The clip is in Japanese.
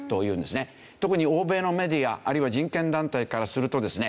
特に欧米のメディアあるいは人権団体からするとですね